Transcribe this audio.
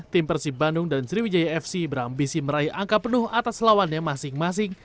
tim persib bandung dan sriwijaya fc berambisi meraih angka penuh atas lawannya masing masing